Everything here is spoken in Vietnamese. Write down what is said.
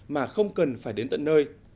mà không cần phải đến tận nơi